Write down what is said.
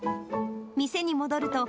店に戻ると、